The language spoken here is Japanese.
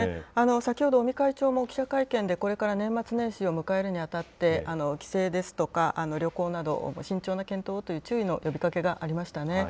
先ほど、尾身会長も記者会見で、これから年末年始を迎えるにあたって、帰省ですとか、旅行など、慎重な検討をという注意の呼びかけがありましたね。